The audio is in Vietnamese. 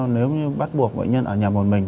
nếu như bắt buộc bệnh nhân ở nhà một mình